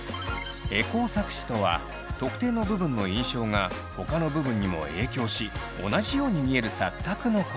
エコー錯視とは特定の部分の印象がほかの部分にも影響し同じように見える錯覚のこと。